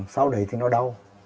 sau đấy thì nó đau